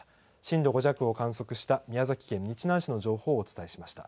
震度５弱を観測した宮崎県日南市の情報をお伝えしました。